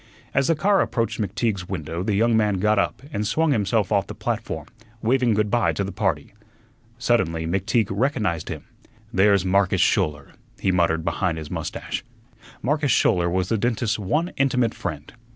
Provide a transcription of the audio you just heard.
As the car approached McTeague's window the young man got up and swung himself off the platform, waving goodby to the party. Suddenly McTeague recognized him. "There's Marcus Schouler," he muttered behind his mustache. Marcus Schouler was the dentist's one intimate friend.